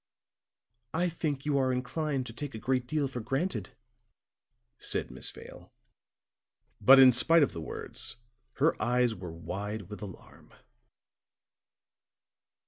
"I think you are inclined to take a great deal for granted," said Miss Vale. But in spite of the words, her eyes were wide with alarm.